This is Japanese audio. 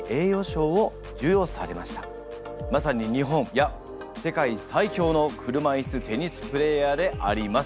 まさに日本いや世界最強の車いすテニスプレーヤーであります。